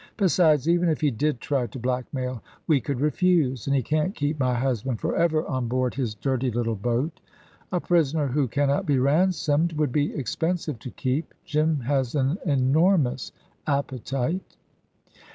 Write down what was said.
Besides, even if he did try to blackmail, we could refuse, and he can't keep my husband for ever on board his dirty little boat. A prisoner who cannot be ransomed would be expensive to keep. Jim has an enormous appetite."